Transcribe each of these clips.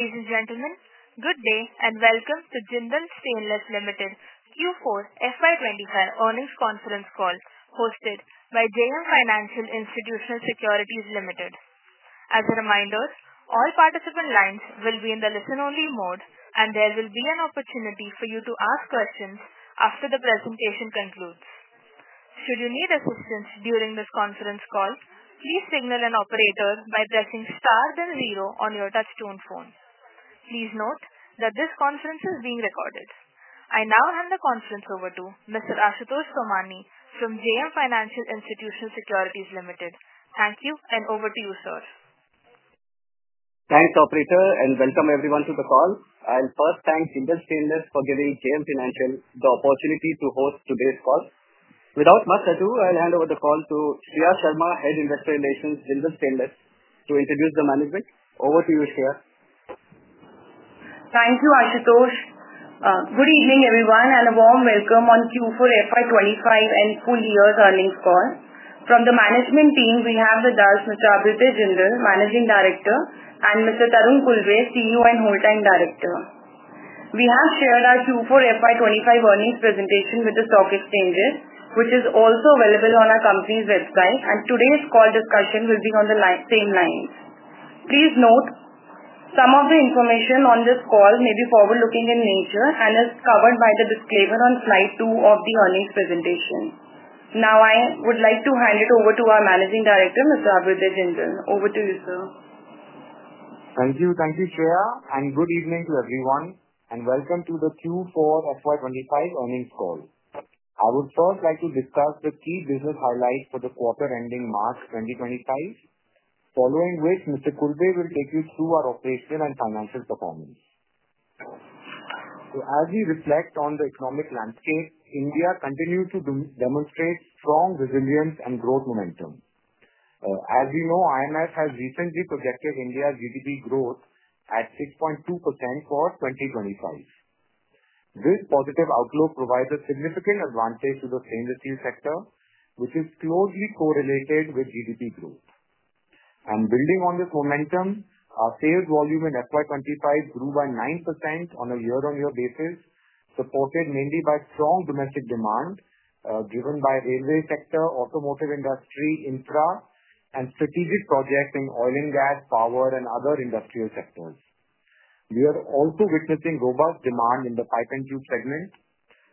Ladies and gentlemen, good day and welcome to Jindal Stainless Ltd FY 2025 Earnings Conference Call, hosted by JM Financial Institutional Securities Ltd. As a reminder, all participant lines will be in the listen-only mode, and there will be an opportunity for you to ask questions after the presentation concludes. Should you need assistance during this conference call, please signal an operator by pressing star then zero on your touch-tone phone. Please note that this conference is being recorded. I now hand the conference over to Mr. Ashutosh Somani from JM Financial Institutional Securities Ltd. Thank you, and over to you, sir. Thanks, operator, and welcome everyone to the call. I'll first thank Jindal Stainless for giving JM Financial the opportunity to host today's call. Without much ado, I'll hand over the call to Shreya Sharma, Head of Investor Relations, Jindal Stainless, to introduce the management. Over to you, Shreya. Thank you, Ashutosh. Good evening, everyone, and a warm welcome on FY 2025 and full-year earnings call. From the management team, we have with us Mr. Abhyuday Jindal, Managing Director, and Mr. Tarun Khulbe, CEO and Holding Director. We have shared our FY 2025 earnings presentation with the stock exchanges, which is also available on our company's website, and today's call discussion will be on the same lines. Please note some of the information on this call may be forward-looking in nature and is covered by the disclaimer on slide 2 of the earnings presentation. Now, I would like to hand it over to our Managing Director, Mr. Abhyuday Jindal. Over to you, sir. Thank you. Thank you, Shreya, and good evening to everyone, and welcome to the FY 2025 earnings call. I would first like to discuss the key business highlights for the quarter ending March 2025, following which Mr. Khulbe will take you through our operational and financial performance. As we reflect on the economic landscape, India continues to demonstrate strong resilience and growth momentum. As we know, IMF has recently projected India's GDP growth at 6.2% for 2025. This positive outlook provides a significant advantage to the stainless steel sector, which is closely correlated with GDP growth. Building on this momentum, sales volume FY 2025 grew by 9% on a year-on-year basis, supported mainly by strong domestic demand given by the railway sector, automotive industry, infra, and strategic projects in oil and gas, power, and other industrial sectors. We are also witnessing robust demand in the pipe and tube segment,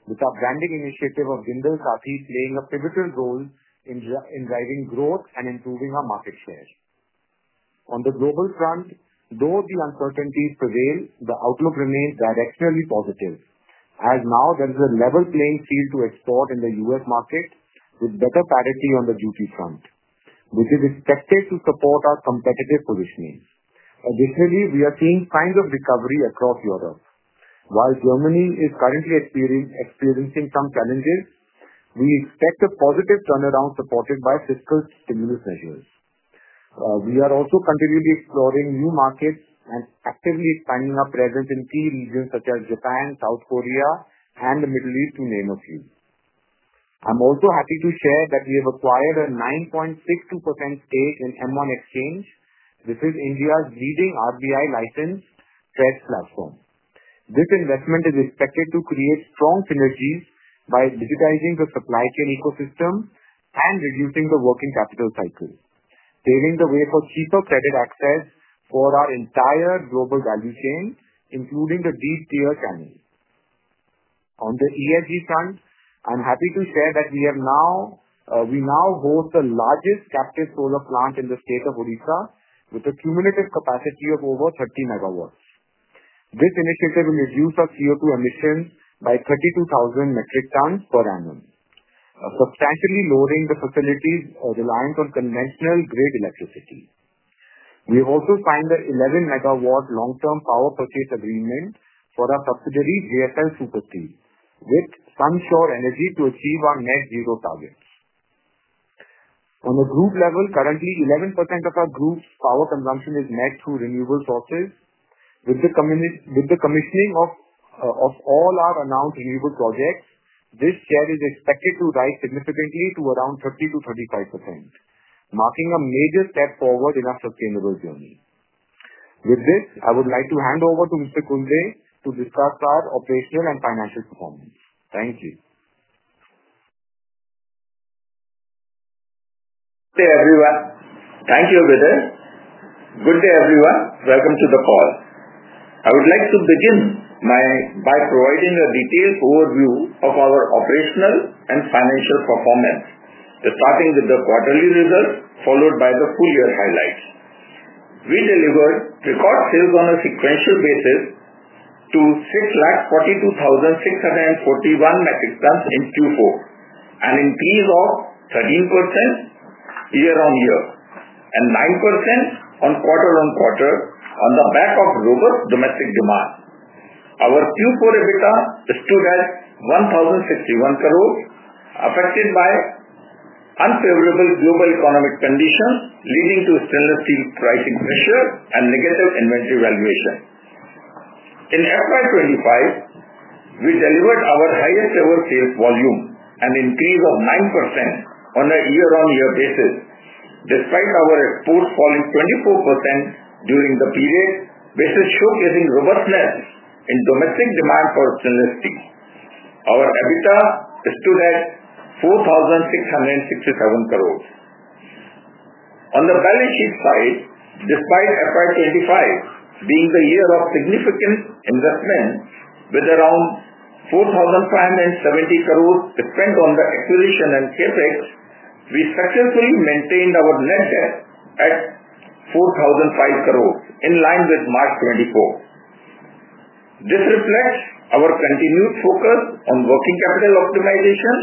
with our branding initiative of Jindal Saathi playing a pivotal role in driving growth and improving our market share. On the global front, though the uncertainties prevail, the outlook remains directionally positive, as now there is a level playing field to export in the U.S. market with better parity on the duty front, which is expected to support our competitive positioning. Additionally, we are seeing signs of recovery across Europe. While Germany is currently experiencing some challenges, we expect a positive turnaround supported by fiscal stimulus measures. We are also continually exploring new markets and actively expanding our presence in key regions such as Japan, South Korea, and the Middle East, to name a few. I'm also happy to share that we have acquired a 9.62% stake in M1 Exchange. This is India's leading RBI-licensed trading platform. This investment is expected to create strong synergies by digitizing the supply chain ecosystem and reducing the working capital cycle, paving the way for cheaper credit access for our entire global value chain, including the deep-tier channels. On the ESG front, I'm happy to share that we now host the largest captive solar plant in the state of Odisha, with a cumulative capacity of over 30 MW. This initiative will reduce our CO2 emissions by 32,000 metric tons per annum, substantially lowering the facility's reliance on conventional grid electricity. We also signed an 11 MW long-term power purchase agreement for our subsidiary, JSL Super Steel, with Sunsure Energy to achieve our net-zero targets. On the group level, currently, 11% of our group's power consumption is met through renewable sources. With the commissioning of all our announced renewable projects, this share is expected to rise significantly to around 30%-35%, marking a major step forward in our sustainable journey. With this, I would like to hand over to Mr. Khulbe to discuss our operational and financial performance. Thank you. Good day, everyone. Thank you, Abhyuday. Good day, everyone. Welcome to the call. I would like to begin by providing a detailed overview of our operational and financial performance, starting with the quarterly results, followed by the full-year highlights. We delivered record sales on a sequential basis to 642,641 metric tons in Q4, an increase of 13% year-on-year and 9% quarter-on-quarter on the back of robust domestic demand. Our Q4 EBITDA stood at 1,061 crore, affected by unfavorable global economic conditions leading to stainless steel pricing pressure and negative inventory valuation. FY 2025, we delivered our highest-ever sales volume, an increase of 9% on a year-on-year basis, despite our exports falling 24% during the period, showcasing robustness in domestic demand for stainless steel. Our EBITDA stood at 4,667 crore. On the balance sheet side, FY 2025 being the year of significant investment, with around 4,570 crore spent on the acquisition and CapEx, we successfully maintained our net debt at 4,005 crore, in line with March 2024. This reflects our continued focus on working capital optimization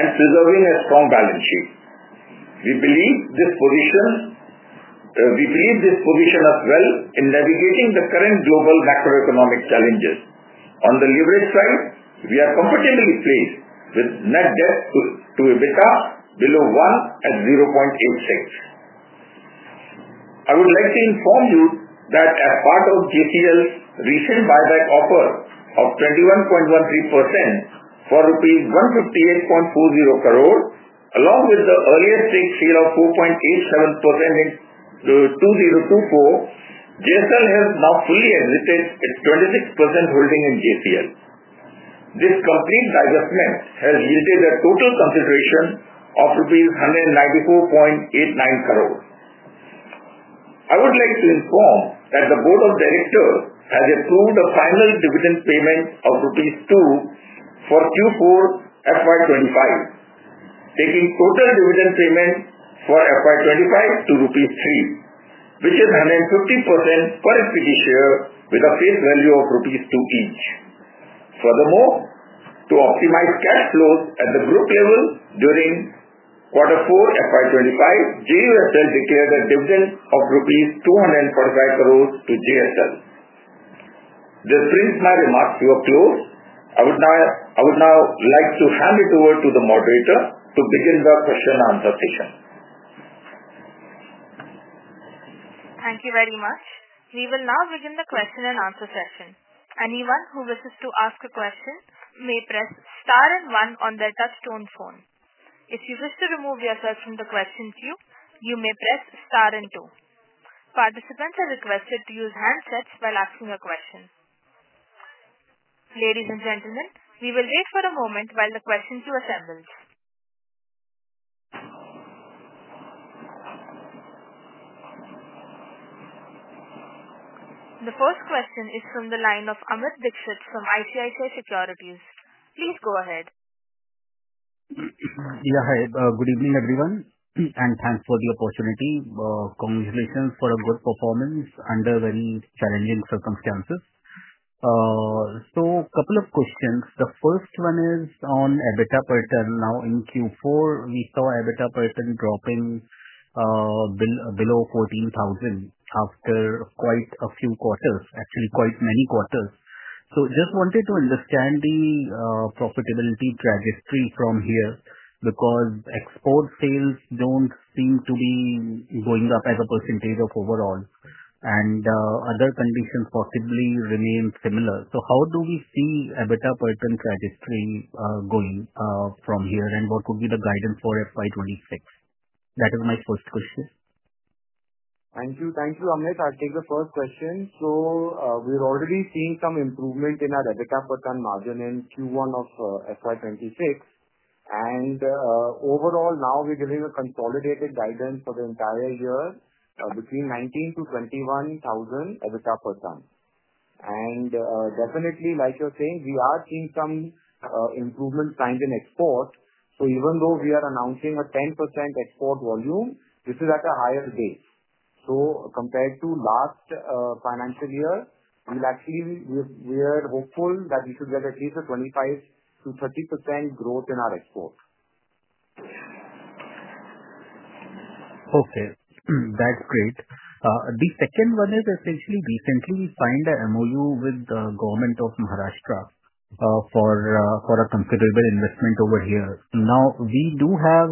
and preserving a strong balance sheet. We believe this positions us well in navigating the current global macroeconomic challenges. On the leverage side, we are comfortably placed with net debt to EBITDA below 1 at 0.86. I would like to inform you that as part of JCL's recent buyback offer of 21.13% for rupees 158.40 crore, along with the earlier stake sale of 4.87% in 2024, JSL has now fully exited its 26% holding in JCL. This complete divestment has yielded a total consideration of rupees 194.89 crore. I would like to inform that the Board of Directors has approved a final dividend payment of rupees 2 for FY 2025, taking total dividend payment FY 2025 to rupees 3, which is 150% per equity share with a face value of rupees 2 each. Furthermore, to optimize cash flows at the group level during FY 2025, JUSL declared a dividend of rupees 245 crore to JSL. This brings my remarks to a close. I would now like to hand it over to the moderator to begin the question and answer session. Thank you very much. We will now begin the question and answer session. Anyone who wishes to ask a question may press star and one on their touch-tone phone. If you wish to remove yourself from the question queue, you may press star and two. Participants are requested to use handsets while asking a question. Ladies and gentlemen, we will wait for a moment while the question queue assembles. The first question is from the line of Amit Dixit from ICICI Securities. Please go ahead. Yeah, hi. Good evening, everyone, and thanks for the opportunity. Congratulations for a good performance under very challenging circumstances. A couple of questions. The first one is on EBITDA pattern. Now, in Q4, we saw EBITDA pattern dropping below 14,000 crore after quite a few quarters, actually quite many quarters. I just wanted to understand the profitability trajectory from here because export sales do not seem to be going up as a percentage of overall, and other conditions possibly remain similar. How do we see EBITDA pattern trajectory going from here, and what would be the guidance FY 2026? That is my first question. Thank you. Thank you, Amrit. I'll take the first question. We're already seeing some improvement in our EBITDA pattern margin in Q1 FY 2026. Overall, now we're getting a consolidated guidance for the entire year between 19,000 crore-21,000 crore EBITDA pattern. Definitely, like you're saying, we are seeing some improvement signs in export. Even though we are announcing a 10% export volume, this is at a higher base. Compared to last financial year, we're hopeful that we should get at least a 25%-30% growth in our export. Okay. That's great. The second one is essentially recently we signed an MOU with the government of Maharashtra for a considerable investment over here. Now, we do have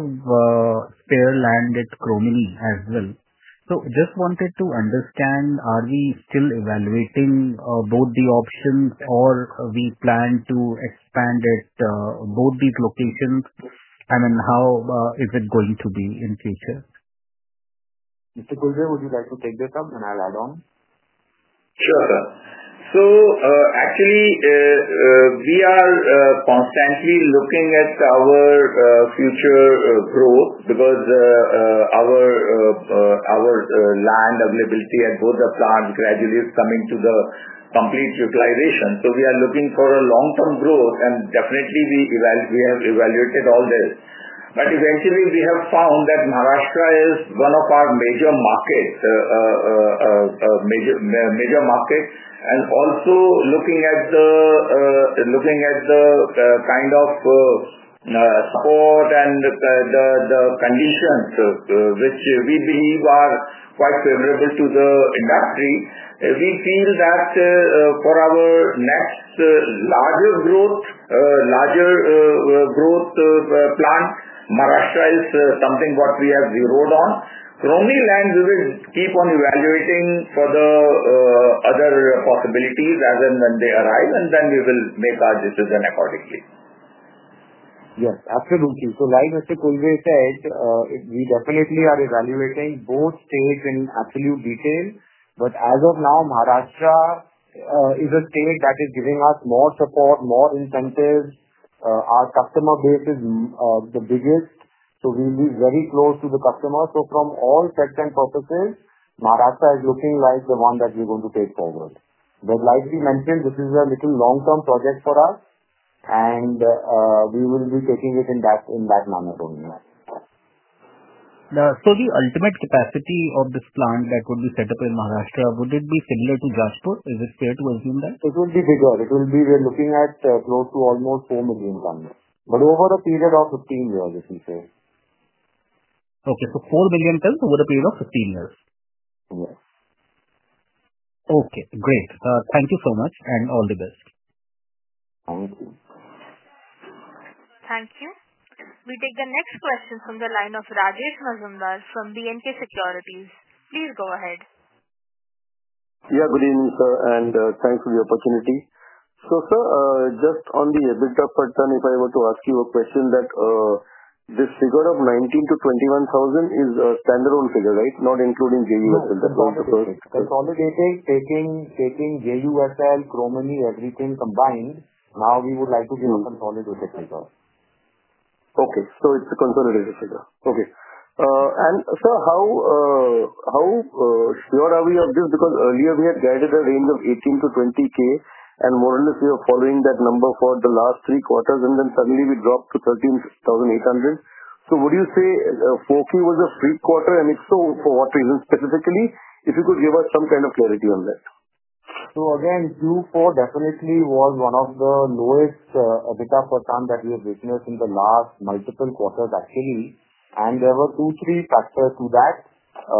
spare land at Chromeni as well. So just wanted to understand, are we still evaluating both the options, or do we plan to expand at both these locations? I mean, how is it going to be in the future? Mr. Khulbe, would you like to take this up, and I'll add on? Sure. Actually, we are constantly looking at our future growth because our land availability at both the plants gradually is coming to complete utilization. We are looking for long-term growth, and definitely, we have evaluated all this. Eventually, we have found that Maharashtra is one of our major markets. Also, looking at the kind of support and the conditions which we believe are quite favorable to the industry, we feel that for our next larger growth plant, Maharashtra is something we have zeroed on. Chromeni land, we will keep on evaluating for other possibilities as and when they arrive, and then we will make our decision accordingly. Yes, absolutely. Like Mr. Khulbe said, we definitely are evaluating both states in absolute detail. As of now, Maharashtra is a state that is giving us more support, more incentives. Our customer base is the biggest, so we will be very close to the customer. From all sets and purposes, Maharashtra is looking like the one that we are going to take forward. Like we mentioned, this is a little long-term project for us, and we will be taking it in that manner only. The ultimate capacity of this plant that would be set up in Maharashtra, would it be similar to Jajpur? Is it fair to assume that? It will be bigger. It will be we're looking at close to almost 4 million tons, but over a period of 15 years, as you say. Okay. So 4 million tons over a period of 15 years? Yes. Okay. Great. Thank you so much, and all the best. Thank you. Thank you. We take the next question from the line of Rajesh Majumdar from B&K Securities. Please go ahead. Yeah, good evening, sir, and thanks for the opportunity. Sir, just on the EBITDA pattern, if I were to ask you a question, that this figure of 19,000 crore-21,000 crore is a standalone figure, right? Not including JUSL. No, it's a consolidated, taking JUSL, Chromeni, everything combined. Now we would like to give a consolidated figure. Okay. So it's a consolidated figure. Okay. And sir, how sure are we of this? Because earlier we had guided a range of 18,000 crore-20,000 crore, and more or less we were following that number for the last three quarters, and then suddenly we dropped to 13,800 crore. Would you say Q4 was a freak quarter, and if so, for what reason specifically? If you could give us some kind of clarity on that. Q4 definitely was one of the lowest EBITDA patterns that we have witnessed in the last multiple quarters, actually. There were two, three factors to that.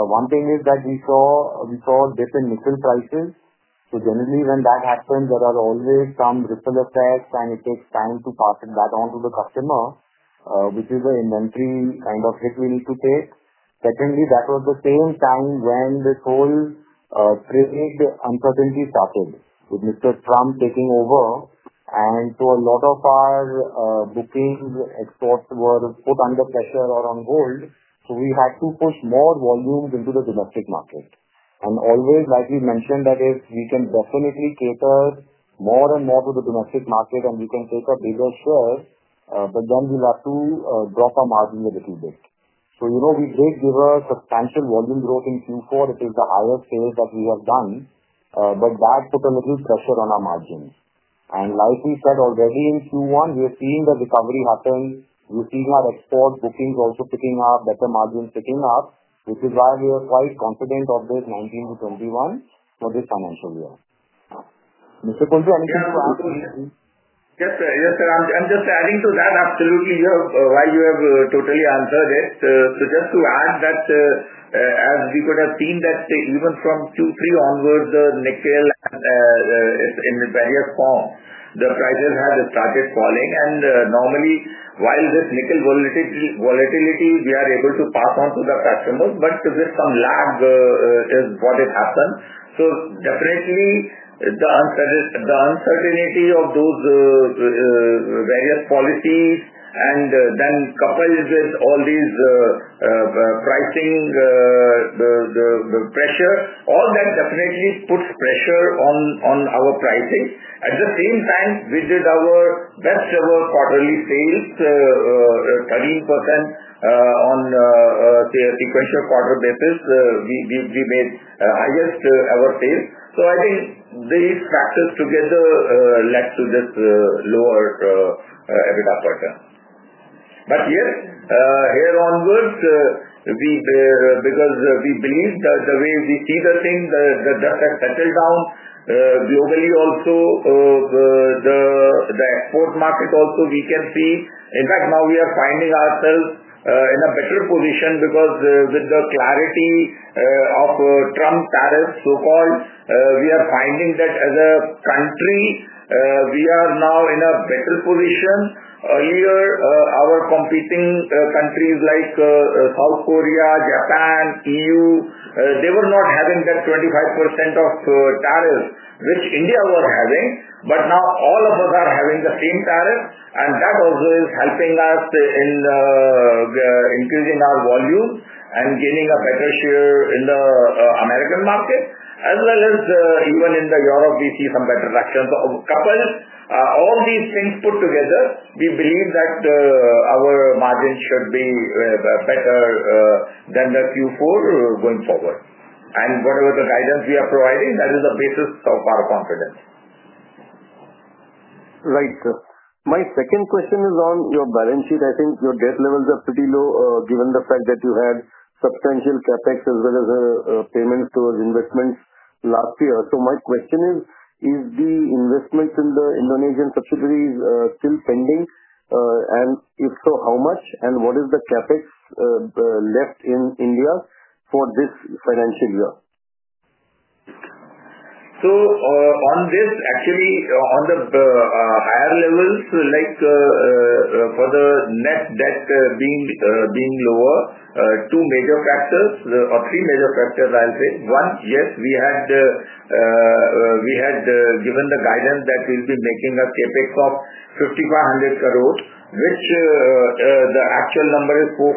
One thing is that we saw dip in nickel prices. Generally, when that happens, there are always some ripple effects, and it takes time to pass it back on to the customer, which is an inventory kind of hit we need to take. Secondly, that was the same time when this whole trade uncertainty started with Mr. Trump taking over. A lot of our booking exports were put under pressure or on hold, so we had to push more volumes into the domestic market. Like we mentioned, we can definitely cater more and more to the domestic market, and we can take a bigger share, but then we'll have to drop our margin a little bit. We did give a substantial volume growth in Q4. It is the highest sales that we have done, but that put a little pressure on our margins. Like we said already, in Q1, we are seeing the recovery happen. We're seeing our export bookings also picking up, better margins picking up, which is why we are quite confident of this 19,000 crore- 21,000 crore for this financial year. Mr. Khulbe, anything to add? Yes, sir. I'm just adding to that. Absolutely, while you have totally answered it. Just to add that as we could have seen that even from Q3 onwards, the nickel in various forms, the prices had started falling. Normally, while this nickel volatility, we are able to pass on to the customers, but with some lag is what has happened. Definitely, the uncertainty of those various policies and then coupled with all these pricing pressure, all that definitely puts pressure on our pricing. At the same time, we did our best-ever quarterly sales, 13% on a sequential quarter basis. We made the highest-ever sales. I think these factors together led to this lower EBITDA pattern. Yes, here onwards, because we believe that the way we see the thing, the debt has settled down globally also. The export market also, we can see. In fact, now we are finding ourselves in a better position because with the clarity of Trump tariffs, so-called, we are finding that as a country, we are now in a better position. Earlier, our competing countries like South Korea, Japan, EU, they were not having that 25% of tariffs, which India was having, but now all of us are having the same tariffs, and that also is helping us in increasing our volume and gaining a better share in the American market, as well as even in Europe, we see some better actions. Coupled all these things put together, we believe that our margin should be better than the Q4 going forward. Whatever the guidance we are providing, that is the basis of our confidence. Right, sir. My second question is on your balance sheet. I think your debt levels are pretty low given the fact that you had substantial CapEx as well as payments towards investments last year. My question is, is the investment in the Indonesian subsidiaries still pending? If so, how much? What is the CapEx left in India for this financial year? On this, actually, on the higher levels, like for the net debt being lower, two major factors or three major factors, I'll say. One, yes, we had given the guidance that we'll be making a CapEx of 5,500 crore, which the actual number is 4,570 crore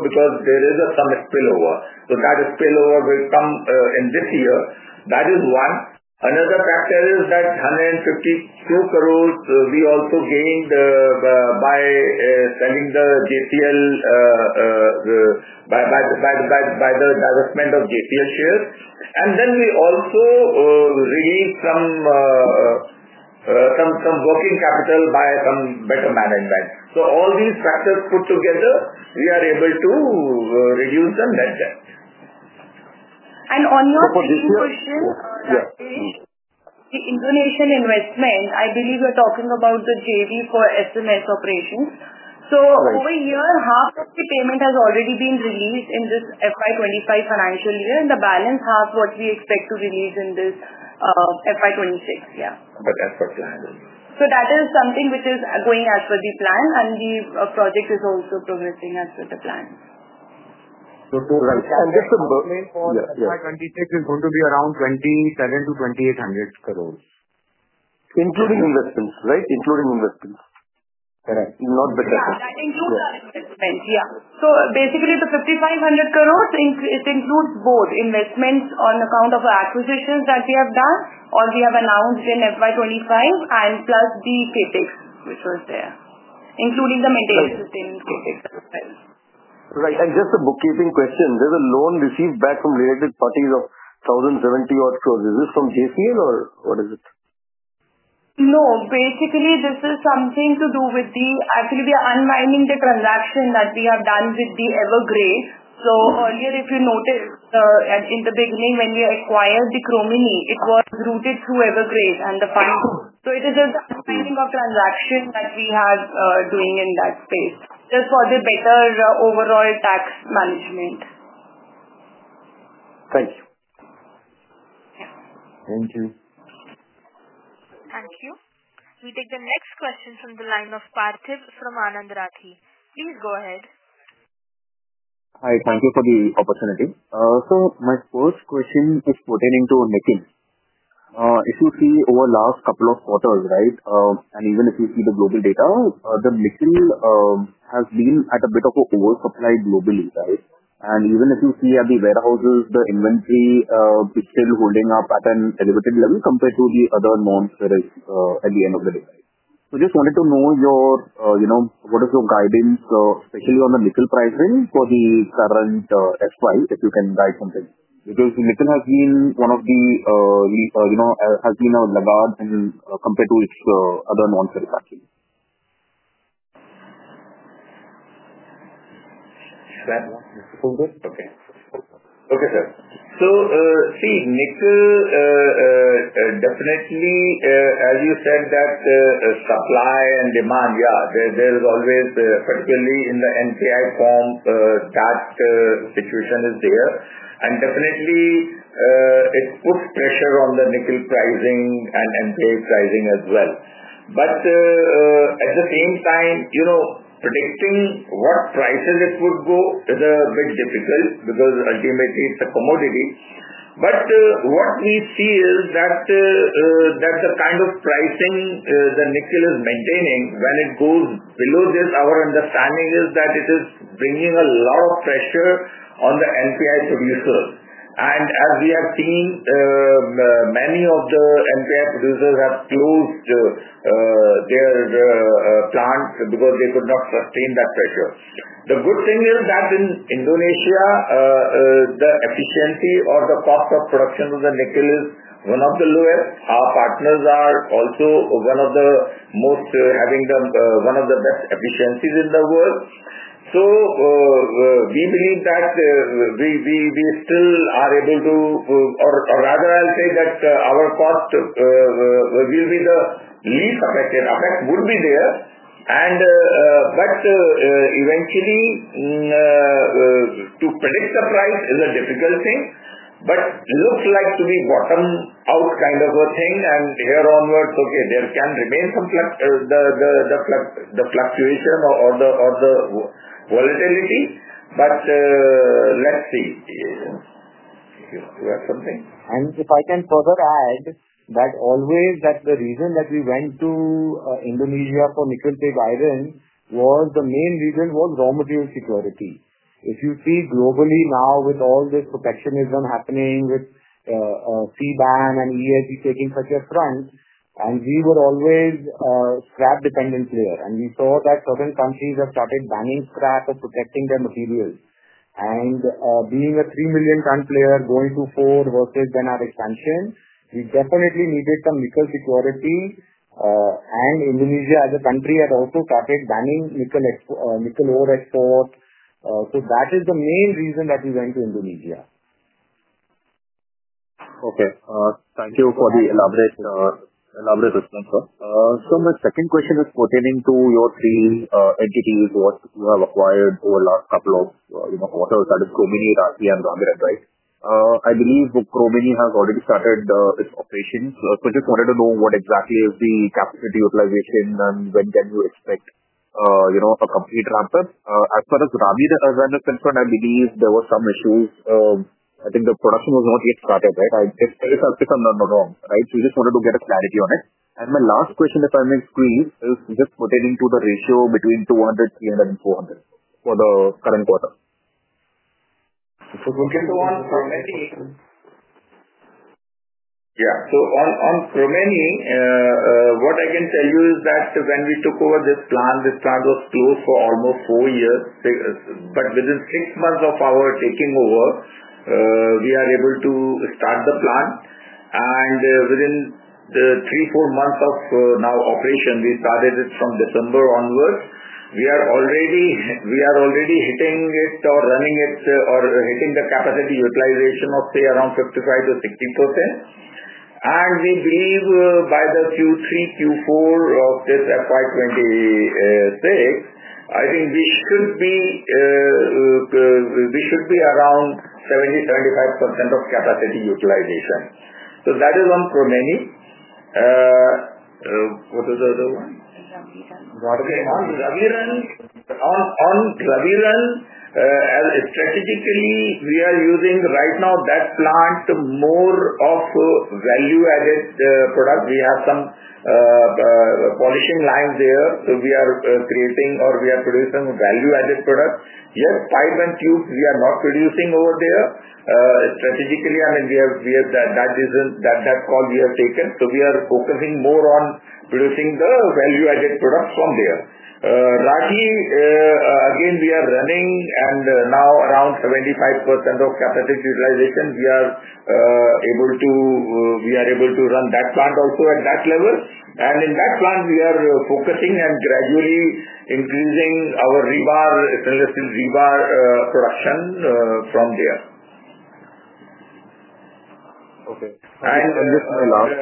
because there is some spillover. That spillover will come in this year. That is one. Another factor is that 152 crore we also gained by selling the JCL, by the divestment of JCL shares. Then we also released some working capital by some better management. All these factors put together, we are able to reduce the net debt. On your second question, the Indonesian investment, I believe you're talking about the JV for SMS operations. Over here, half of the payment has already been released in this FY 2025 financial year, and the balance half we expect to release in this FY 2026. Yeah. As per plan. That is something which is going as per the plan, and the project is also progressing as per the plan. Right. And just to. Yeah. FY 2026 is going to be around 27,000 crore-28,000 crore. Including investments, right? Including investments. Correct. Not the capital. Yeah. That includes our investment. Yeah. Basically, the 5,500 crore, it includes both investments on account of acquisitions that we have done or we have announced in FY 2025 and plus the CapEx which was there, including the maintenance within CapEx as well. Right. Just a bookkeeping question. There is a loan received back from related parties of 1,070 or so. Is this from JPL or what is it? No. Basically, this is something to do with the, actually, we are unwinding the transaction that we have done with Evergrade. Earlier, if you noticed, in the beginning, when we acquired the Chromeni, it was routed through Evergrade and the funds. It is just the unwinding of transaction that we are doing in that space just for the better overall tax management. Thank you. Yeah. Thank you. Thank you. We take the next question from the line of Parthiv from Anand Rathi. Please go ahead. Hi. Thank you for the opportunity. My first question is pertaining to nickel. If you see over the last couple of quarters, right? And even if you see the global data, the nickel has been at a bit of an oversupply globally, right? Even if you see at the warehouses, the inventory is still holding up at an elevated level compared to the other non-ferrous at the end of the day. I just wanted to know what is your guidance, especially on the nickel pricing for the current FY, if you can guide something, because nickel has been one of the, has been a laggard compared to its other non-ferrous actually. Okay. Okay, sir. See, nickel definitely, as you said, that supply and demand, yeah, there is always, particularly in the NPI form, that situation is there. It definitely puts pressure on the nickel pricing and NPI pricing as well. At the same time, predicting what prices it would go is a bit difficult because ultimately, it is a commodity. What we see is that the kind of pricing the nickel is maintaining, when it goes below this, our understanding is that it is bringing a lot of pressure on the NPI producers. As we have seen, many of the NPI producers have closed their plants because they could not sustain that pressure. The good thing is that in Indonesia, the efficiency or the cost of production of the nickel is one of the lowest. Our partners are also one of the most, having one of the best efficiencies in the world. We believe that we still are able to, or rather, I'll say that our cost will be the least affected. Affect would be there, but eventually, to predict the price is a difficult thing, but looks like to be bottomed out kind of a thing. From here onwards, there can remain some fluctuation or volatility, but let's see. Do you have something? If I can further add, the reason that we went to Indonesia for nickel pig iron was the main reason was raw material security. If you see globally now with all this protectionism happening with CBAN and ESG taking such a front, and we were always a scrap-dependent player. We saw that certain countries have started banning scrap or protecting their materials. Being a 3 million ton player, going to 4 versus then our expansion, we definitely needed some nickel security. Indonesia as a country had also started banning nickel ore export. That is the main reason that we went to Indonesia. Thank you for the elaborate response, sir. My second question is pertaining to your three entities, what you have acquired over the last couple of quarters, that is Chromeni, Rathi, and Rabirun, right? I believe Chromeni has already started its operations. Just wanted to know what exactly is the capacity utilization and when can you expect a complete ramp-up? As far as Rathi, as I'm concerned, I believe there were some issues. I think the production was not yet started, right? If I'm not wrong, right? We just wanted to get a clarity on it. My last question, if I may squeeze, is just pertaining to the ratio between 200, 300, and 400 for the current quarter. On Chromeni. Yeah. On Cromeni, what I can tell you is that when we took over this plant, this plant was closed for almost four years. Within six months of our taking over, we are able to start the plant. Within three, four months of now operation, we started it from December onwards. We are already hitting it or running it or hitting the capacity utilization of, say, around 55-60%. We believe by the Q3, Q4 of FY 2026, I think we should be around 70-75% of capacity utilization. That is on Chromeni. What is the other one? Rabirun On Rabirun as strategically, we are using right now that plant more of value-added product. We have some polishing lines there. So we are creating or we are producing value-added products. Yet, pipe and tubes, we are not producing over there. Strategically, I mean, we have that call we have taken. So we are focusing more on producing the value-added products from there. Rathi, again, we are running and now around 75% of capacity utilization. We are able to run that plant also at that level. In that plant, we are focusing and gradually increasing our rebar, stainless steel rebar production from there. Okay. And just my last.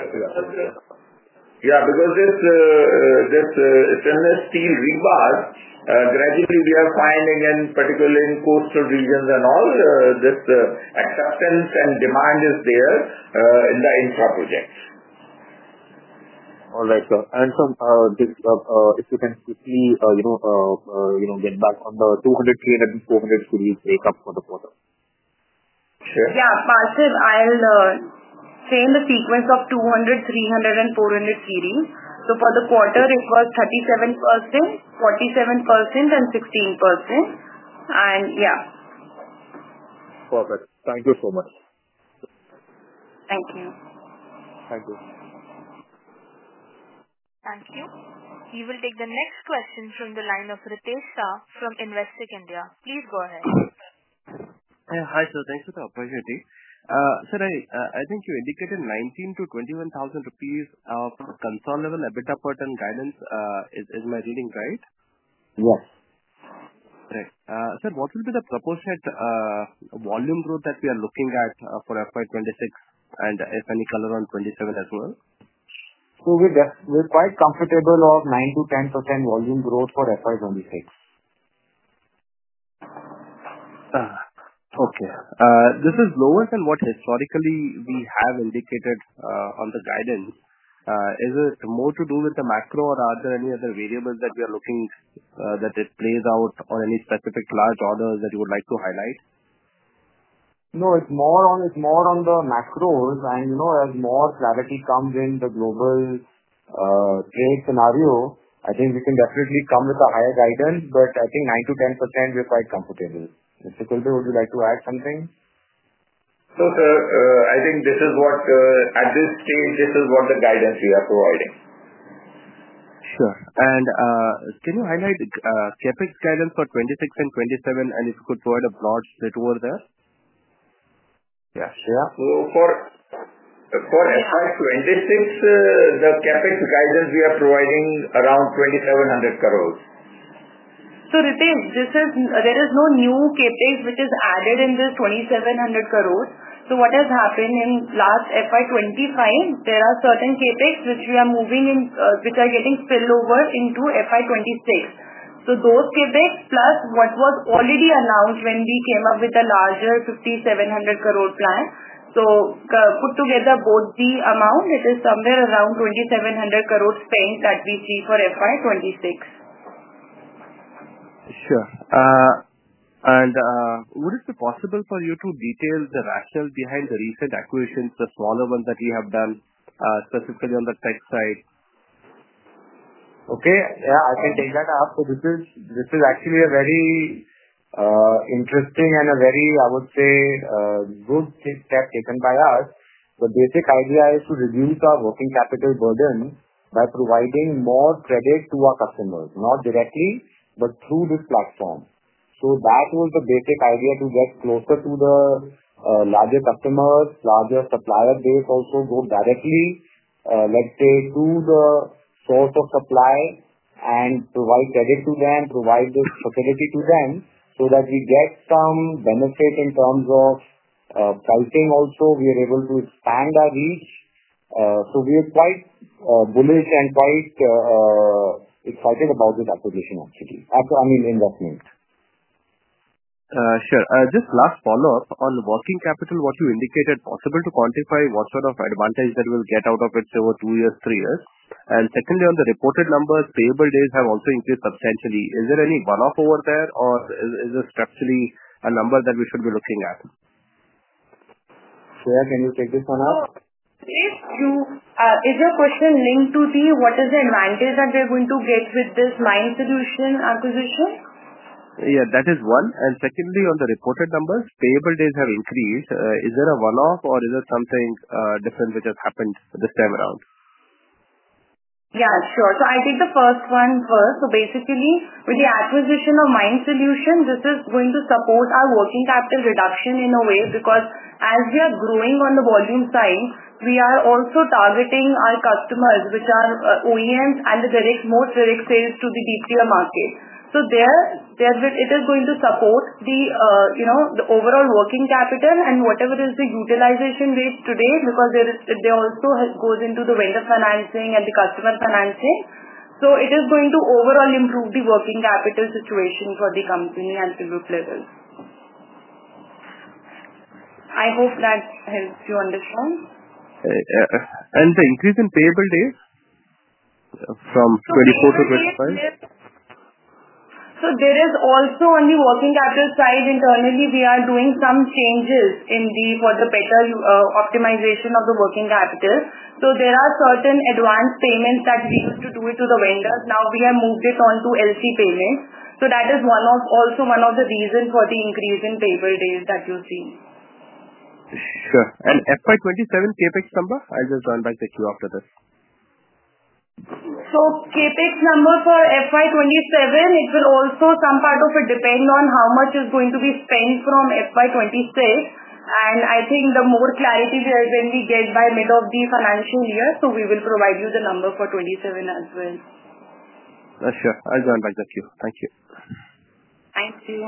Yeah. Because this stainless steel rebar, gradually we are finding, and particularly in coastal regions and all, this acceptance and demand is there in the infra projects. All right, sir. If you can quickly get back on the 200, 300, and 400 series breakup for the quarter. Yeah. Parthib, I'll change the sequence of 200, 300, and 400 series. For the quarter, it was 37%, 47%, and 16%. And yeah. Perfect. Thank you so much. Thank you. Thank you. Thank you. We will take the next question from the line of Ritesh Shah from Investec India. Please go ahead. Hi, sir. Thank you for the opportunity. Sir, I think you indicated 19,000 crore-21,000 crore rupees of consolidable EBITDA pattern guidance. Is my reading right? Yes. Great. Sir, what will be the proportionate volume growth that we are looking at FY 2026? And if any color on 2027 as well? We're quite comfortable of 9-10% volume growth for FY 2026. Okay. This is lower than what historically we have indicated on the guidance. Is it more to do with the macro or are there any other variables that we are looking that it plays out or any specific large orders that you would like to highlight? No, it's more on the macros. As more clarity comes in the global trade scenario, I think we can definitely come with a higher guidance. I think 9-10%, we're quite comfortable. Mr. Khulbe, would you like to add something? I think this is what at this stage, this is what the guidance we are providing. Sure. Can you highlight CapEx guidance for 2026 and 2027, and if you could provide a broad split over there? Yeah. Shreya? FY 2026, the CapEx guidance we are providing is around 2,700 crore. Ritesh, there is no new CapEx which is added in this 2,700 crore. What has happened in FY 2025, there are certain CapEx which we are moving in which are getting spillover FY 2026. Those CapEx plus what was already announced when we came up with the larger 5,700 crore plan. Put together both the amount, it is somewhere around 2,700 crore spend that we see for FY 2026. Sure. Would it be possible for you to detail the rationale behind the recent acquisitions, the smaller ones that we have done, specifically on the tech side? Okay. Yeah, I can take that up. This is actually a very interesting and a very, I would say, good step taken by us. The basic idea is to reduce our working capital burden by providing more credit to our customers, not directly, but through this platform. That was the basic idea to get closer to the larger customers, larger supplier base, also go directly, let's say, to the source of supply and provide credit to them, provide this facility to them so that we get some benefit in terms of pricing. Also, we are able to expand our reach. We are quite bullish and quite excited about this acquisition, actually. I mean, investment. Sure. Just last follow-up on working capital, what you indicated, possible to quantify what sort of advantage that we'll get out of it over two years, three years? Secondly, on the reported numbers, payable days have also increased substantially. Is there any one-off over there, or is this structurally a number that we should be looking at? Shreya, can you take this one up? Is your question linked to the what is the advantage that we are going to get with this Mynd Solutions acquisition? Yeah, that is one. Secondly, on the reported numbers, payable days have increased. Is there a one-off, or is it something different which has happened this time around? Yeah, sure. I'll take the first one first. Basically, with the acquisition of Mynd Solutions, this is going to support our working capital reduction in a way because as we are growing on the volume side, we are also targeting our customers, which are OEMs and the direct, more direct sales to the deep tier market. There, it is going to support the overall working capital and whatever is the utilization rate today because it also goes into the vendor financing and the customer financing. It is going to overall improve the working capital situation for the company at the group level. I hope that helps you understand. The increase in payable days from 2024 to 2025? There is also on the working capital side, internally, we are doing some changes for the better optimization of the working capital. There are certain advance payments that we used to do to the vendors. Now we have moved it on to LC payments. That is also one of the reasons for the increase in payable days that you see. FY 2027 CapEx number? I'll just run back the queue after this. CapEx number FY 2027, it will also some part of it depend on how much is going to be spent FY 2026. I think the more clarity when we get by middle of the financial year, we will provide you the number for 2027 as well. Sure. I'll run back the queue. Thank you. Thank you.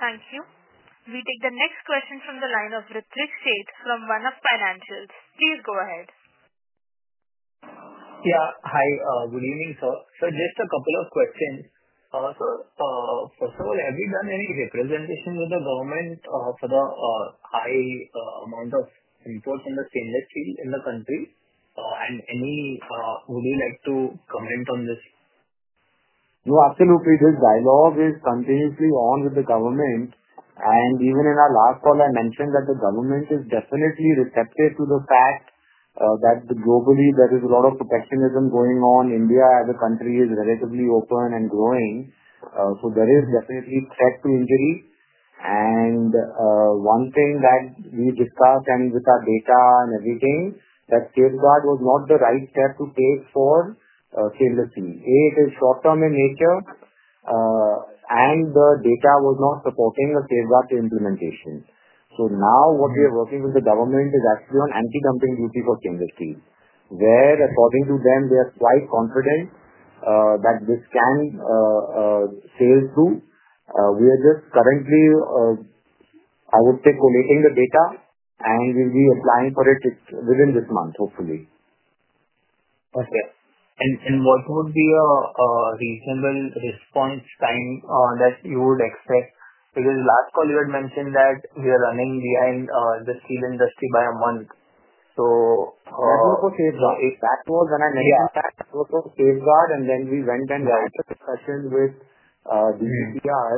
Thank you. We take the next question from the line of Ritwik Sheth from One Up Financials. Please go ahead. Yeah. Hi. Good evening, sir. Sir, just a couple of questions. Sir, first of all, have you done any representation with the government for the high amount of imports in the stainless steel in the country? Would you like to comment on this? No, absolutely. This dialogue is continuously on with the government. Even in our last call, I mentioned that the government is definitely receptive to the fact that globally there is a lot of protectionism going on. India as a country is relatively open and growing. There is definitely threat to injury. One thing that we discussed, and with our data and everything, is that safeguard was not the right step to take for stainless steel. A, it is short-term in nature, and the data was not supporting the safeguard implementation. Now what we are working with the government on is actually anti-dumping duty for stainless steel, where according to them, we are quite confident that this can sail through. We are just currently, I would say, collating the data, and we'll be applying for it within this month, hopefully. Okay. What would be a reasonable response time that you would expect? Because last call, you had mentioned that we are running behind the steel industry by a month. That was for safeguard. That was an initial fact. That was for safeguard, and then we went and had a discussion with DCPR,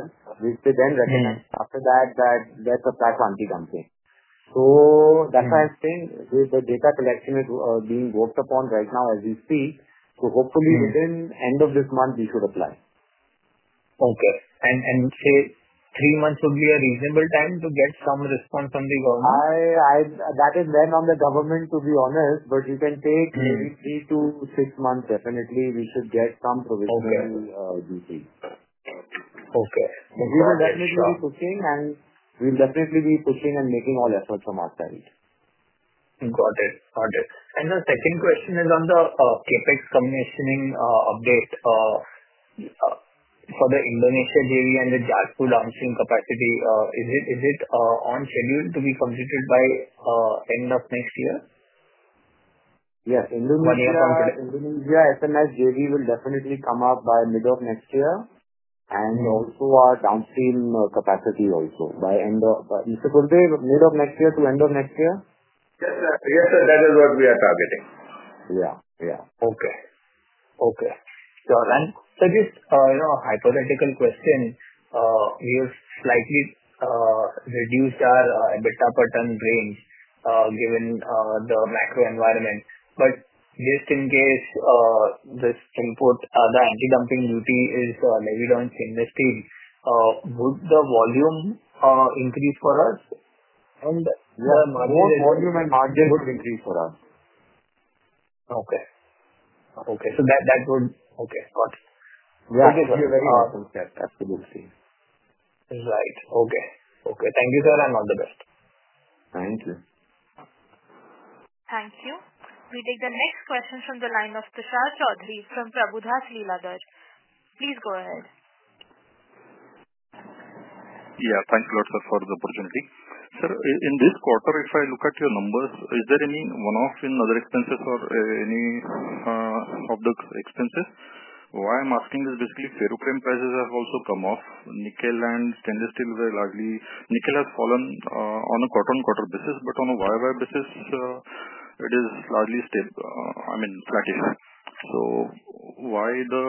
which they then recognized after that that that's a platform we can play. That is why I'm saying with the data collection being worked upon right now as we speak. Hopefully within the end of this month, we should apply. Okay. And say three months would be a reasonable time to get some response from the government? That is then on the government, to be honest. You can take maybe three to six months. Definitely, we should get some provisional duty. Okay. We will definitely be pushing and making all efforts on our side. Got it. Got it. The second question is on the CapEx commissioning update for the Indonesia JV and the Jajpur downstream capacity. Is it on schedule to be completed by end of next year? Yes. Indonesia. One year from today. Indonesia SMS JV will definitely come up by mid of next year. Also, our downstream capacity also by end of Mr. Khulbe, mid of next year to end of next year? Yes, sir. Yes, sir. That is what we are targeting. Yeah. Yeah. Okay. Okay. Sure. Sir, just a hypothetical question. We have slightly reduced our ability pattern range given the macro environment. Just in case this input, the anti-dumping duty is laid on stainless steel, would the volume increase for us? The margin would. Yes, volume and margin would increase for us. Okay. Okay. So that would. Okay. Got it. Yeah. This is your very last concern. Absolutely. Right. Okay. Okay. Thank you, sir. And all the best. Thank you. Thank you. We take the next question from the line of Tushar Chaudhary from Prabhudas Lilladher. Please go ahead. Yeah. Thanks a lot, sir, for the opportunity. Sir, in this quarter, if I look at your numbers, is there any one-off in other expenses or any of the expenses? Why I'm asking is basically ferrochrome prices have also come off. Nickel and stainless steel were largely, nickel has fallen on a quarter-on-quarter basis, but on a year-on-year basis, it is largely stable. I mean, flattish. Why the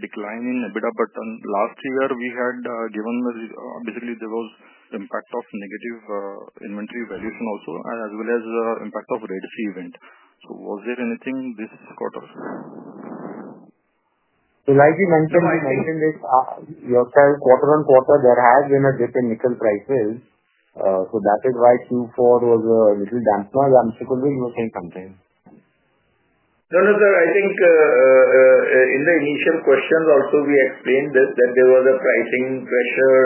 decline in EBITDA pattern? Last year, we had given the, basically, there was impact of negative inventory valuation also, as well as impact of Red Sea event. Was there anything this quarter? Like you mentioned, you mentioned this yourself, quarter-on-quarter, there has been a dip in nickel prices. That is why Q4 was a little dampened. Mr. Khulbe, you were saying something. No, no, sir. I think in the initial questions also, we explained that there was a pricing pressure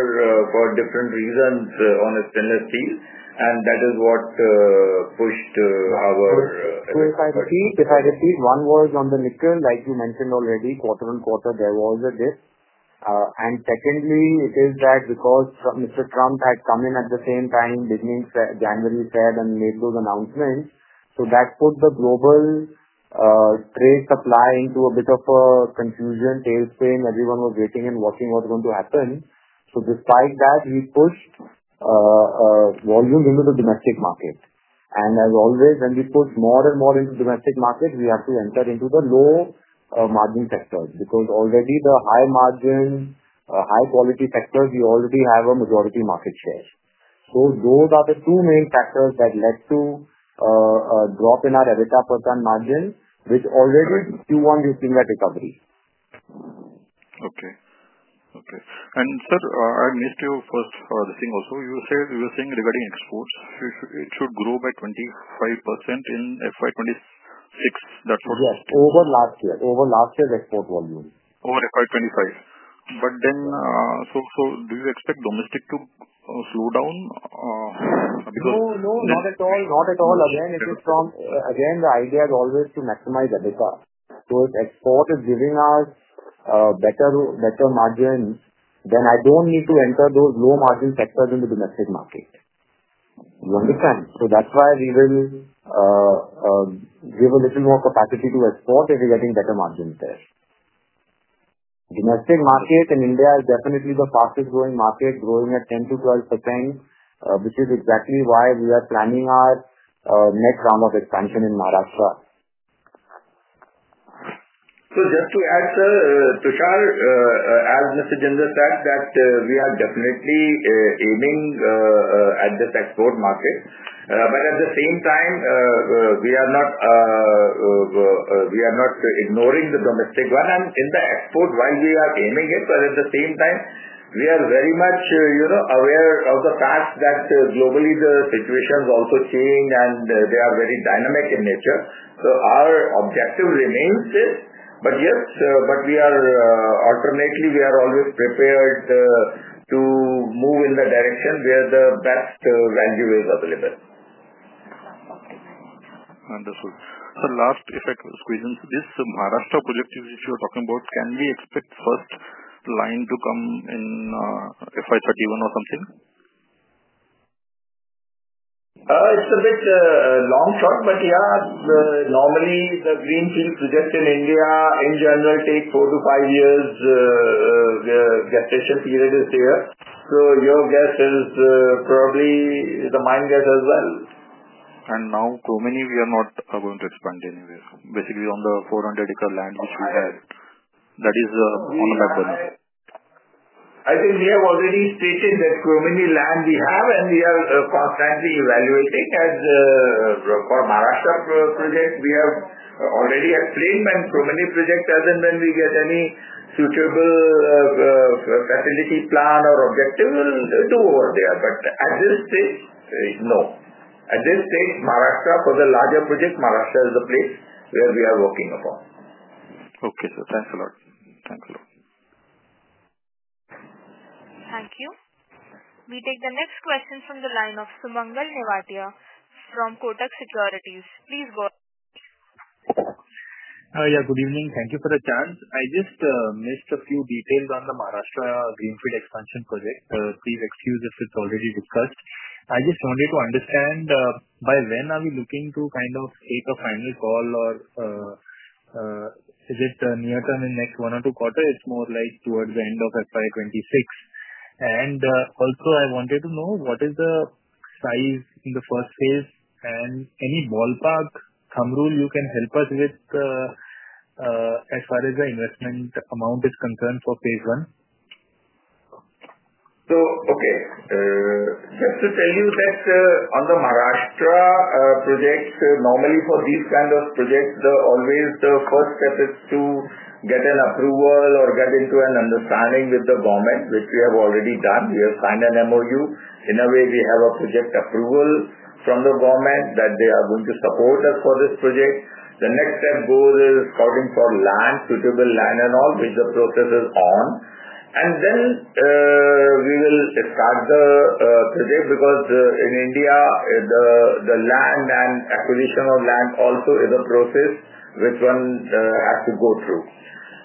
for different reasons on stainless steel, and that is what pushed our ability pattern. If I repeat one word on the nickel, like you mentioned already, quarter-on-quarter, there was a dip. Secondly, it is that because Mr. Trump had come in at the same time, beginning January 3rd, and made those announcements, that put the global trade supply into a bit of a confusion, tailspin. Everyone was waiting and watching what was going to happen. Despite that, we pushed volume into the domestic market. As always, when we put more and more into the domestic market, we have to enter into the low margin sectors because already the high margin, high-quality sectors, we already have a majority market share. Those are the two main factors that led to a drop in our ability pattern margin, which already Q1, we've seen that recovery. Okay. Okay. And sir, I missed your first this thing also. You were saying regarding exports, it should grow by 25% in FY 2026. That's what you said. Yes. Over last year, over last year's export volume. FY 2025. Do you expect domestic to slow down because? No, not at all. Again, the idea is always to maximize ability. If export is giving us better margins, then I do not need to enter those low margin sectors into the domestic market. You understand? That is why we will give a little more capacity to export if we are getting better margins there. Domestic market in India is definitely the fastest growing market, growing at 10-12%, which is exactly why we are planning our next round of expansion in Maharashtra. Just to add, sir, Tushar, as Mr. Jindal said, we are definitely aiming at this export market. At the same time, we are not ignoring the domestic one. In the export, while we are aiming it, we are very much aware of the fact that globally the situations also change, and they are very dynamic in nature. Our objective remains this. Yes, we are alternately, we are always prepared to move in the direction where the best value is available. Understood. Sir, last, if I could ask questions, this Maharashtra project which you are talking about, can we expect first line to in FY 2031 or something? It's a bit long shot, but yeah, normally the greenfield project in India, in general, takes four to five years. The gestation period is there. So your guess is probably the mine guess as well. Chromenii, we are not going to expand anywhere. Basically, on the 400 acre land which we have, that is on the back burner. I think we have already stated that Chromeni land we have, and we are constantly evaluating as for Maharashtra project. We have already explained, and Chromeni project, as and when we get any suitable facility plan or objective, we'll do over there. At this stage, no. At this stage, Maharashtra for the larger project, Maharashtra is the place where we are working upon. Okay. Sir, thanks a lot. Thanks a lot. Thank you. We take the next question from the line of Sumangal vatia from Kotak Securities. Please go ahead. Yeah. Good evening. Thank you for the chance. I just missed a few details on the Maharashtra greenfield expansion project. Please excuse if it's already discussed. I just wanted to understand by when are we looking to kind of take a final call, or is it near term in next one or two quarters? It's more like towards the end of FY 2026. Also, I wanted to know what is the size in the first phase and any ballpark, thumb rule you can help us with as far as the investment amount is concerned for phase I? Okay. Just to tell you that on the Maharashtra project, normally for these kinds of projects, always the first step is to get an approval or get into an understanding with the government, which we have already done. We have signed an MOU. In a way, we have a project approval from the government that they are going to support us for this project. The next step goes is scouting for land, suitable land and all, which the process is on. Then we will start the project because in India, the land and acquisition of land also is a process which one has to go through.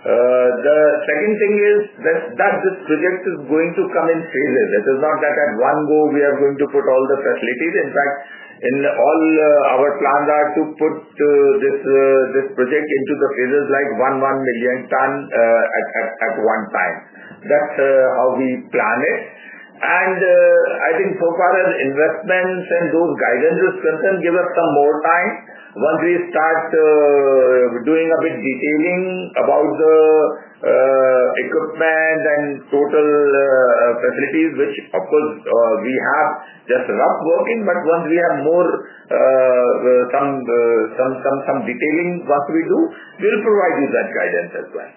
The second thing is that this project is going to come in phases. It is not that at one go we are going to put all the facilities. In fact, in all our plans are to put this project into the phases like one 1 million ton at one time. That is how we plan it. I think so far as investments and those guidance is concerned, give us some more time once we start doing a bit detailing about the equipment and total facilities, which of course we have just rough working. Once we have more some detailing once we do, we will provide you that guidance as well.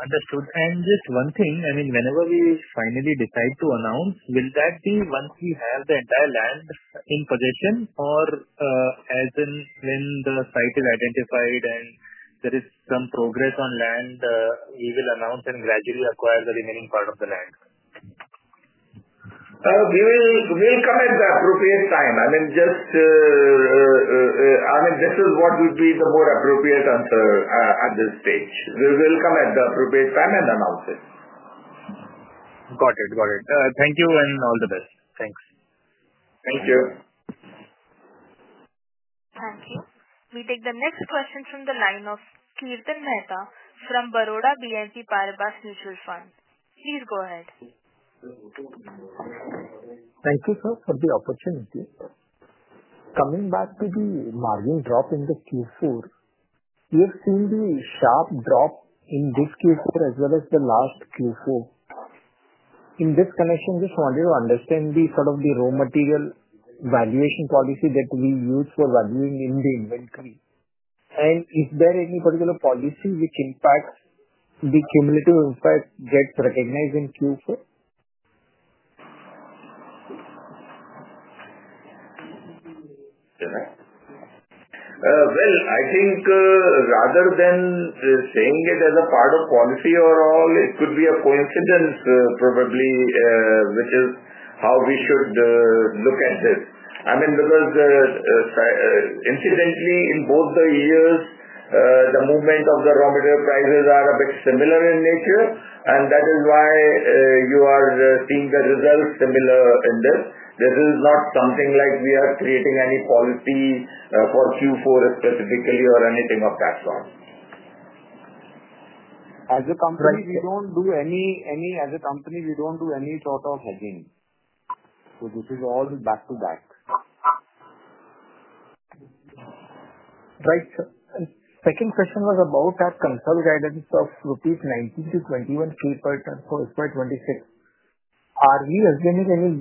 Understood. And just one thing. I mean, whenever we finally decide to announce, will that be once we have the entire land in possession? Or as in when the site is identified and there is some progress on land, we will announce and gradually acquire the remaining part of the land? We'll come at the appropriate time. I mean, this is what would be the more appropriate answer at this stage. We will come at the appropriate time and announce it. Got it. Got it. Thank you and all the best. Thanks. Thank you. Thank you. We take the next question from the line of Kirtan Mehta from Baroda BNP Paribas Mutual Fund. Please go ahead. Thank you, sir, for the opportunity. Coming back to the margin drop in the Q4, we have seen the sharp drop in this Q4 as well as the last Q4. In this connection, just wanted to understand the sort of the raw material valuation policy that we use for valuing in the inventory. Is there any particular policy which impacts the cumulative impact gets recognized in Q4? Okay. I think rather than saying it as a part of policy or all, it could be a coincidence probably, which is how we should look at this. I mean, because incidentally, in both the years, the movement of the raw material prices are a bit similar in nature, and that is why you are seeing the results similar in this. This is not something like we are creating any policy for Q4 specifically or anything of that sort. As a company, we do not do any sort of hedging. This is all back to back. Right. Second question was about that consult guidance of rupees 19,000 crore- 21,000 crore FY 2026. Are we assuming any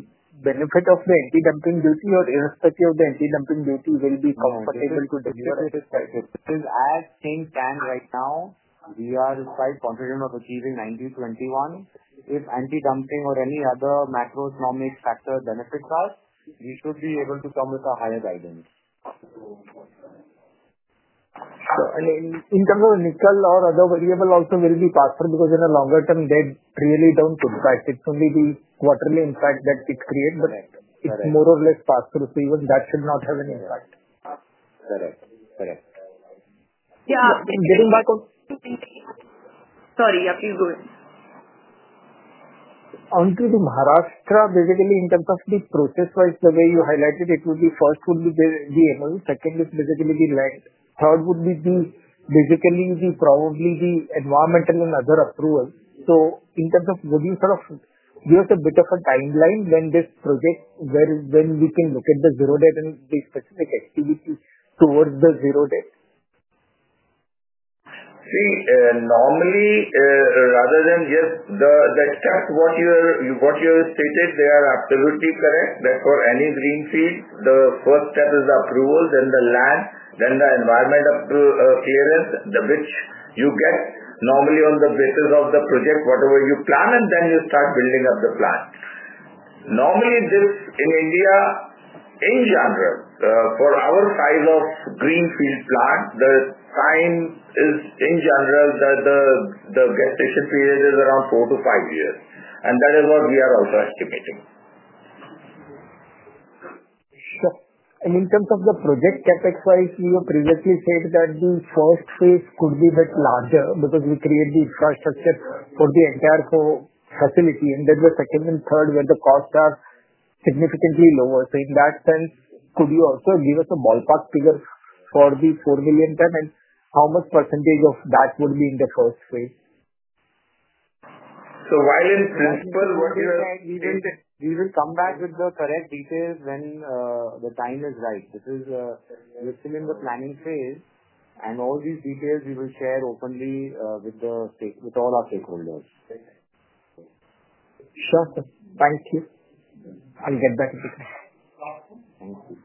benefit of the anti-dumping duty or irrespective of the anti-dumping duty, will be comfortable to deliver? Yes, it is as thin can right now. We are quite confident of achieving 19-21. If anti-dumping or any other macroeconomic factor benefits us, we should be able to come with a higher guidance. Sure. I mean, in terms of nickel or other variable also will be passed through because in a longer term, they really do not impact. It is only the quarterly impact that it creates, but it is more or less passed through. Even that should not have any impact. Correct. Correct. Yeah. Getting back on. Sorry. Yeah. Please go ahead. Onto the Maharashtra, basically in terms of the process-wise, the way you highlighted, it would be first would be the MOU. Second is basically the land. Third would be basically probably the environmental and other approvals. In terms of what you sort of give us a bit of a timeline when this project, when we can look at the zero-day and the specific activity towards the zero-day? See, normally rather than just the steps, what you stated, they are absolutely correct. That for any greenfield, the first step is approval, then the land, then the environmental clearance, which you get normally on the basis of the project, whatever you plan, and then you start building up the plant. Normally this in India, in general, for our size of greenfield plant, the time is in general that the gestation period is around four to five years. That is what we are also estimating. Sure. In terms of the project CapEx-wise, you previously said that the first phase could be a bit larger because we create the infrastructure for the entire facility. Then the second and third, where the costs are significantly lower. In that sense, could you also give us a ballpark figure for the 4 million ton and how much precentage of that would be in the first phase? While in principle, what you are saying, we will come back with the correct details when the time is right. This is still in the planning phase, and all these details we will share openly with all our stakeholders. Sure. Thank you. I'll get back to you. Thank you.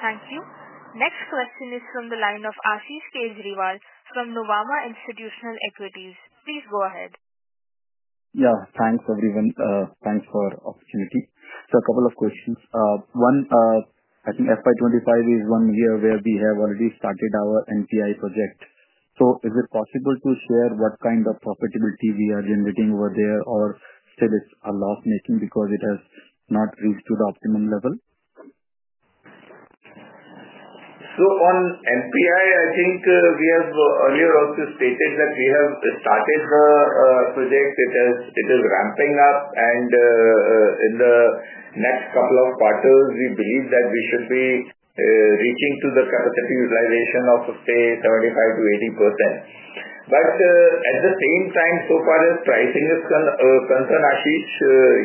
Thank you. Next question is from the line of Ashish Kejriwal from Nuvama Institutional Equities. Please go ahead. Yeah. Thanks, everyone. Thanks for the opportunity. A couple of questions. One, I FY 2025 is one year where we have already started our NPI project. Is it possible to share what kind of profitability we are generating over there or still it's a loss-making because it has not reached to the optimum level? On NPI, I think we have earlier also stated that we have started the project. It is ramping up, and in the next couple of quarters, we believe that we should be reaching to the capacity utilization of, say, 75-80%. At the same time, so far as pricing is concerned, Ashish,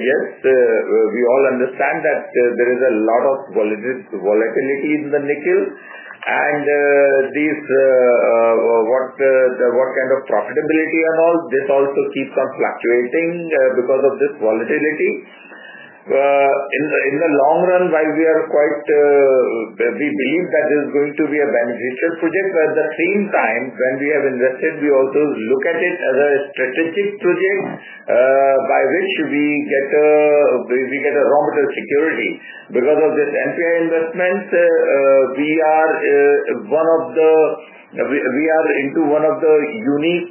yes, we all understand that there is a lot of volatility in the nickel. What kind of profitability and all, this also keeps on fluctuating because of this volatility. In the long run, while we are quite, we believe that this is going to be a beneficial project. At the same time, when we have invested, we also look at it as a strategic project by which we get a raw material security. Because of this NPI investment, we are into one of the unique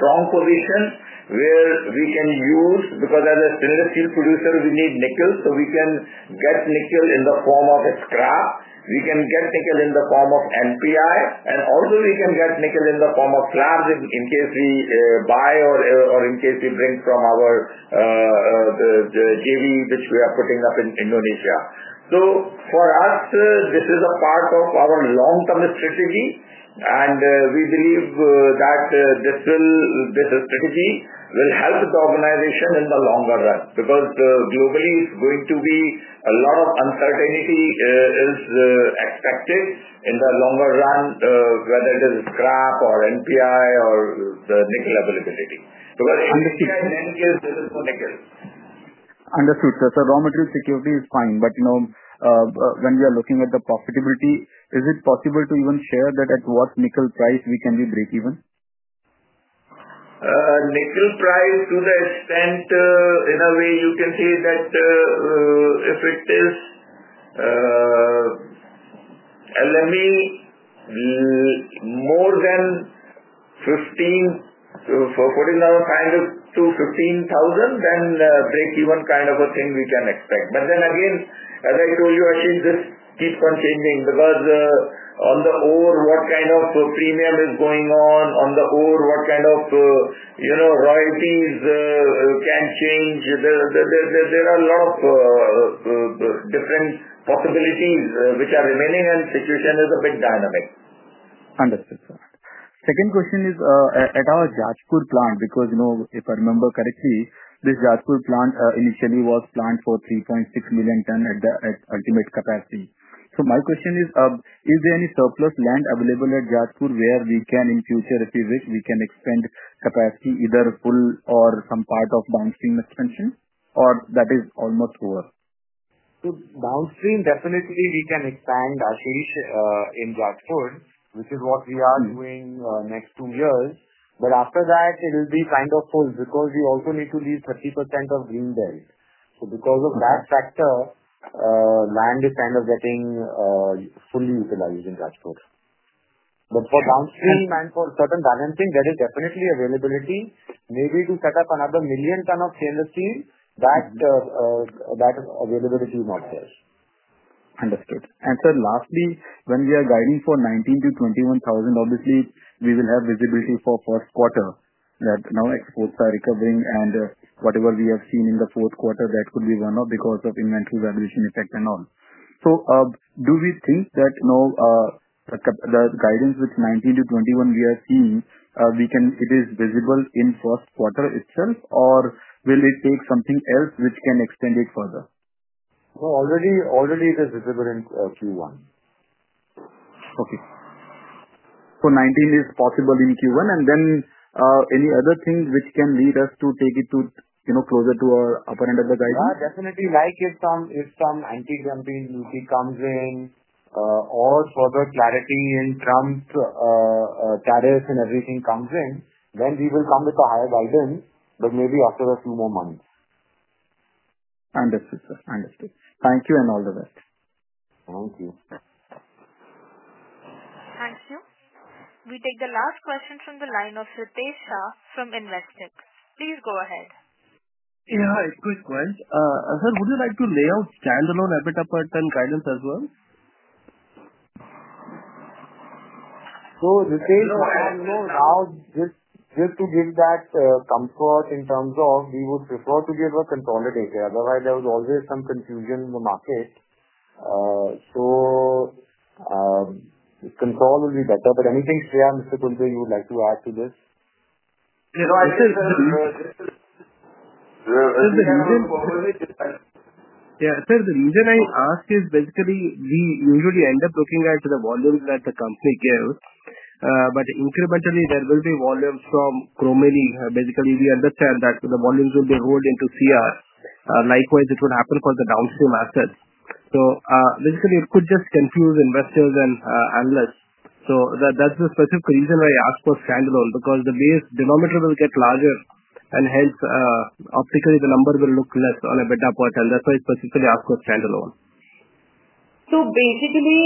strong positions where we can use, because as a stainless steel producer, we need nickel. We can get nickel in the form of scrap, we can get nickel in the form of NPI, and also we can get nickel in the form of slabs in case we buy or in case we bring from our JV, which we are putting up in Indonesia. For us, this is a part of our long-term strategy, and we believe that this strategy will help the organization in the longer run because globally a lot of uncertainty is expected in the longer run, whether it is scrap or NPI or the nickel availability. NPI, in any case, this is for nickel. Understood. So the raw material security is fine. But when we are looking at the profitability, is it possible to even share that at what nickel price we can be break-even? Nickel price to the extent in a way you can say that if it is LME more than 14,500-15,000, then break-even kind of a thing we can expect. As I told you, Ashish, this keeps on changing because on the ore, what kind of premium is going on? On the ore, what kind of royalties can change? There are a lot of different possibilities which are remaining, and the situation is a bit dynamic. Understood. Second question is at our Jajpur plant because if I remember correctly, this Jajpur plant initially was planned for 3.6 million ton at ultimate capacity. So my question is, is there any surplus land available at Jajpur where we can in future, if we wish, we can expand capacity either full or some part of downstream expansion or that is almost over? Downstream, definitely we can expand, Ashish, in Jajpur, which is what we are doing next two years. After that, it will be kind of full because we also need to leave 30% of green belt. Because of that factor, land is kind of getting fully utilized in Jajpur. For downstream and for certain balancing, there is definitely availability. Maybe to set up another million ton of stainless steel, that availability is not there. Understood. Lastly, when we are guiding for 19,000 crore-21,000 crore, obviously we will have visibility for the first quarter that now exports are recovering and whatever we have seen in the fourth quarter, that could be one of because of inventory valuation effect and all. Do we think that the guidance with 19,000 crore-21,000 crore we are seeing, it is visible in the first quarter itself or will it take something else which can extend it further? Already it is visible in Q1. Okay. So 19 is possible in Q1. And then any other thing which can lead us to take it closer to our upper end of the guidance? Yeah. Definitely. Like if some anti-dumping duty comes in or further clarity in Trump tariffs and everything comes in, then we will come with a higher guidance, but maybe after a few more months. Understood, sir. Understood. Thank you and all the best. Thank you. Thank you. We take the last question from the line of Ritesh Shah from Investec. Please go ahead. Yeah. It's a good question. Sir, would you like to lay out standalone EBITDA guidance as well? Ritesh, I don't know. Now, just to give that comfort in terms of we would prefer to give a consolidated. Otherwise, there was always some confusion in the market. Consolidation would be better. Anything, Shreya, Mr. Khulbe, you would like to add to this? Yeah. Sir, the reason I ask is basically we usually end up looking at the volumes that the company gives. But incrementally, there will be volumes from Chromeni. Basically, we understand that the volumes will be rolled into CR. Likewise, it will happen for the downstream assets. Basically, it could just confuse investors and analysts. That is the specific reason why I ask for standalone because the base denominator will get larger and hence optically the number will look less on EBITDA per ton. That is why I specifically ask for standalone. Basically,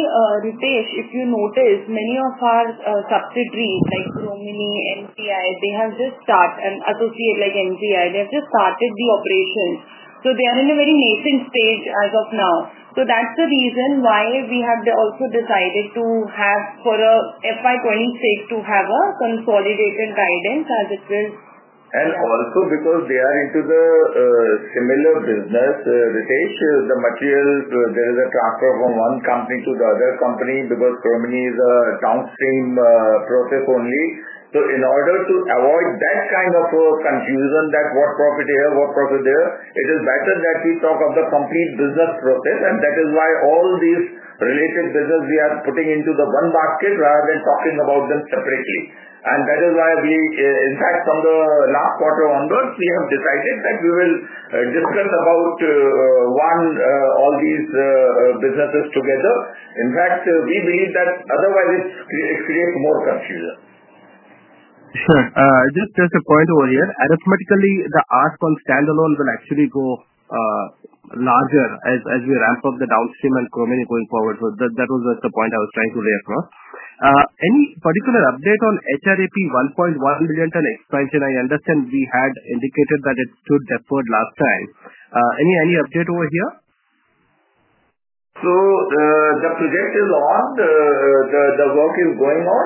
Ritesh, if you notice, many of our subsidiaries like Chromeni, NPI, they have just started, an associate like NPI. They have just started the operations. They are in a very nascent stage as of now. That's the reason why we have also decided to have FY 2026 to have a consolidated guidance as it will. Also, because they are into the similar business, Ritesh, the material there is a transfer from one company to the other company because Chromeni is a downstream process only. In order to avoid that kind of confusion that what profit here, what profit there, it is better that we talk of the complete business process. That is why all these related business we are putting into one basket rather than talking about them separately. That is why we, in fact, from the last quarter onwards, have decided that we will discuss all these businesses together. In fact, we believe that otherwise it creates more confusion. Sure. Just a point over here. Arithmetically, the ask on standalone will actually go larger as we ramp up the downstream and Chromeni going forward. So that was the point I was trying to lay across. Any particular update on HRAP 1.1 million ton expansion? I understand we had indicated that it stood deferred last time. Any update over here? The project is on. The work is going on.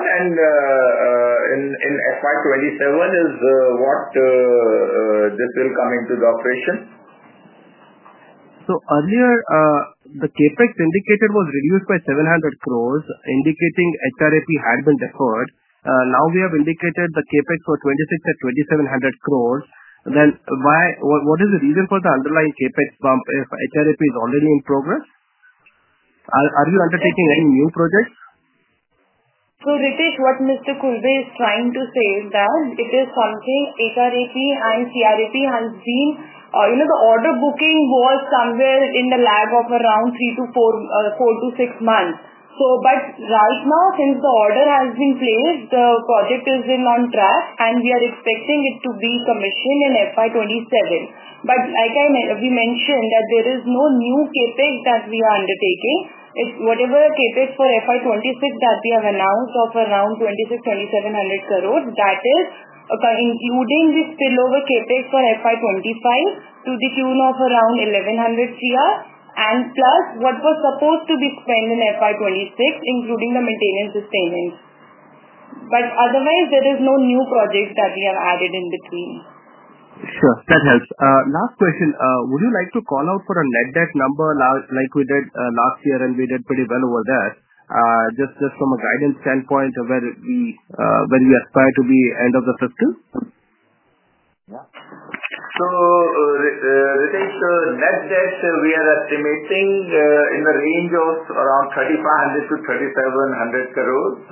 FY 2027, will this come into the operation? Earlier, the CapEx indicator was reduced by 700 crore, indicating HRAP had been deferred. Now we have indicated the CapEx for 2026 to 2,700 crore. What is the reason for the underlying CapEx bump if HRAP is already in progress? Are you undertaking any new projects? Hritesh, what Mr. Khulbe is trying to say is that it is something HRAP and CRAP has been, the order booking was somewhere in the lag of around three to four to six months. Right now, since the order has been placed, the project is still on track, and we are expecting it to be commissioned in FY 2027. Like we mentioned, there is no new CapEx that we are undertaking. It's whatever CapEx for FY 2026 that we have announced of around 2,600-2,700 crore, that is including the spillover CapEx for FY 2025 to the tune of around 1,100 crore rupees and plus what was supposed to be spent in FY 2026, including the maintenance sustainance. Otherwise, there is no new project that we have added in between. Sure. That helps. Last question. Would you like to call out for a net debt number like we did last year, and we did pretty well over there? Just from a guidance standpoint where we aspire to be end of the fiscal? Yeah. Ritesh, net debt we are estimating in the range of around 3,500 crore-3,700 crore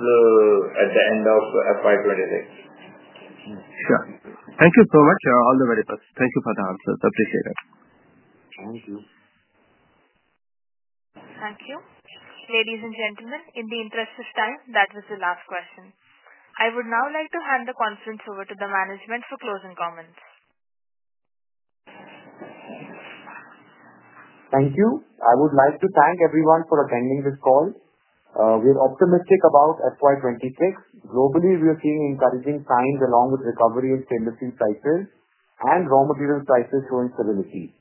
at the end of FY 2026. Sure. Thank you so much. All the very best. Thank you for the answers. Appreciate it. Thank you. Thank you. Ladies and gentlemen, in the interest of time, that was the last question. I would now like to hand the conference over to the management for closing comments. Thank you. I would like to thank everyone for attending this call. We are optimistic FY 2026. Globally, we are seeing encouraging signs along with recovery in stainless steel prices and raw material prices showing stability,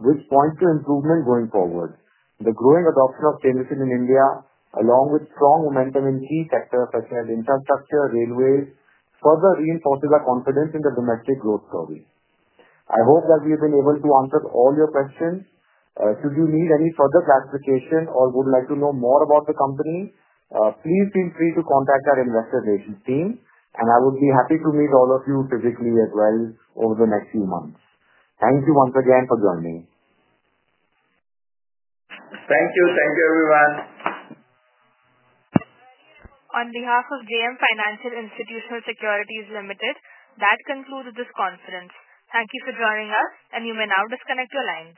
which points to improvement going forward. The growing adoption of stainless steel in India, along with strong momentum in key sectors such as infrastructure, railways, further reinforces our confidence in the domestic growth story. I hope that we have been able to answer all your questions. Should you need any further clarification or would like to know more about the company, please feel free to contact our investor relations team, and I would be happy to meet all of you physically as well over the next few months. Thank you once again for joining. Thank you. Thank you, everyone. On behalf of JM Financial Institutional Securities Ltd, that concludes this conference. Thank you for joining us, and you may now disconnect your lines.